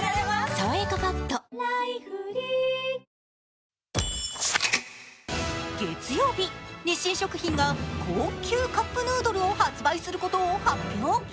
「さわやかパッド」月曜日、日清食品が高級カップヌードルを発売することを発表。